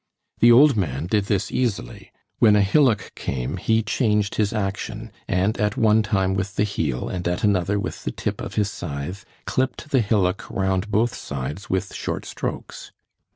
The old man did this easily. When a hillock came he changed his action, and at one time with the heel, and at another with the tip of his scythe, clipped the hillock round both sides with short strokes.